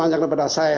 menanggung pada saya